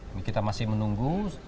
ini kita masih menunggu